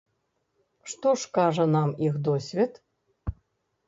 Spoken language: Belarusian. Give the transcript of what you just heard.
Што ж кажа нам іх досвед?